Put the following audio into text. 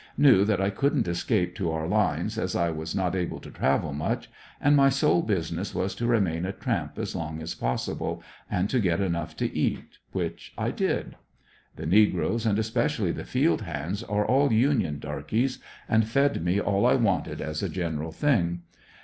Knew that I couldn't escape to our lines, as 1 was not able to travel much, and my sole business was to remain a tramp as long as possible, and to get enough to eat, which I did The negroes, and especially the field hands, are all Union darkys, and fed me all I wanted as a general thing.